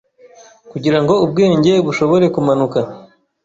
Kugira ngo ubwenge bushobore kumanuka